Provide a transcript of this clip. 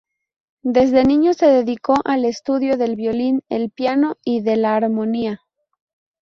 Desde niño se dedicó al estudio del violín, el piano y de la armonía.